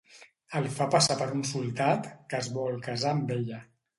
El fa passar per un soldat que es vol casar amb ella.